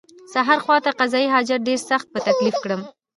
سهار خواته قضای حاجت ډېر سخت په تکلیف کړم.